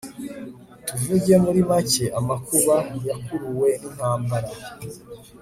tuvuge muri make amakuba yakuruwe n'intambara